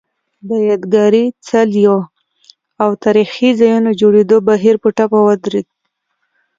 د یادګاري څلیو او تاریخي ځایونو جوړېدو بهیر په ټپه ودرېد